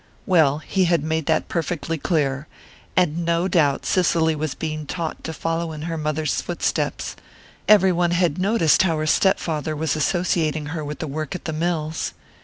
Well, he had made that perfectly clear and no doubt Cicely was being taught to follow in her mother's footsteps: everyone had noticed how her step father was associating her with the work at the mills.